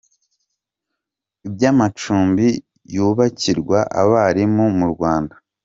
Iby’amacumbi yubakirwa abarimu mu Rwanda